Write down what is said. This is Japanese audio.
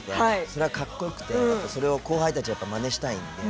それが、かっこよくてそれを後輩たちはまねしたいんで。